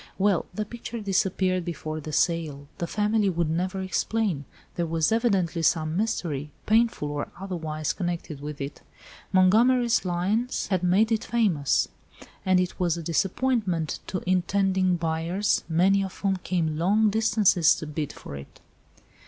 "Well, the picture disappeared before the sale. The family would never explain. There was evidently some mystery, painful or otherwise, connected with it. Montgomery's lines had made it famous. And it was a disappointment to intending buyers, many of whom came long distances to bid for it."